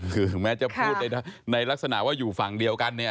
คือแม้จะพูดในลักษณะว่าอยู่ฝั่งเดียวกันเนี่ย